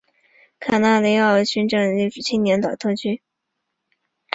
卡纳雷奥斯群岛行政上隶属青年岛特区。